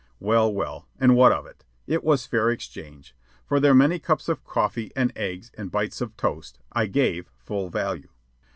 Well, well, and what of it? It was fair exchange. For their many cups of coffee, and eggs, and bites of toast, I gave full value.